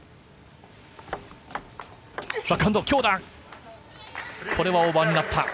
強打、これはオーバーになった。